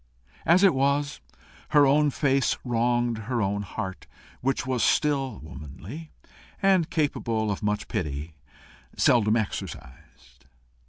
As it was, her own face wronged her own heart, which was still womanly, and capable of much pity seldom exercised.